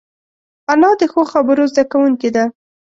انا د ښو خبرو زده کوونکې ده